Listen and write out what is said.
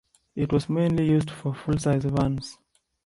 It was mainly used for full-size vans.